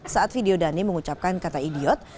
saat video dhani mengucapkan kata idiot